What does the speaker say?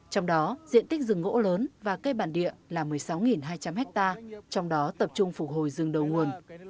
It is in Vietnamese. trong đó diện tích rừng gỗ lớn và cây bản địa là một mươi sáu hai trăm linh ha trong đó tập trung phục hồi rừng đầu nguồn